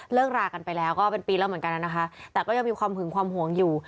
รากันไปแล้วก็เป็นปีแล้วเหมือนกันนะคะแต่ก็ยังมีความหึงความห่วงอยู่